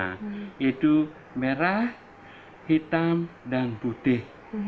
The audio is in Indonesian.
yaitu merah hitam dan putih